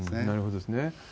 なるほどですね。